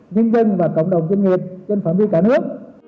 nhân dân và cộng đồng doanh nghiệp trên phạm vi cả nước